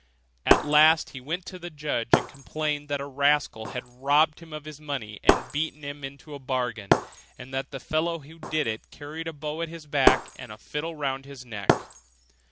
At last he went to the judge, and complained that a rascal had robbed him of his money, and beaten him into the bargain; and that the fellow who did it carried a bow at his back and a fiddle hung round his neck.